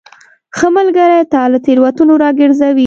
ښه ملګری تا له تیروتنو راګرځوي.